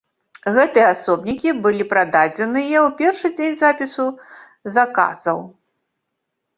Гэтыя асобнікі былі прададзеныя ў першы дзень запісу заказаў.